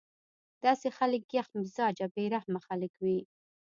داسې خلک يخ مزاجه بې رحمه خلک وي